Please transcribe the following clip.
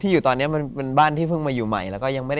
ยังไม่ได้มีลองใหม่เป็นมาแล้วไง